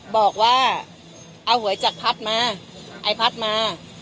บอกว่าเอาหวยจากพัดมาไอ้พัดมา